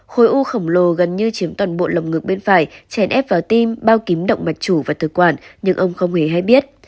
khối u khổng lồ gần như chiếm toàn bộ lồng ngực bên phải chèn ép vào tim bao kiếm động mạch chủ và tự quản nhưng ông không hề hay biết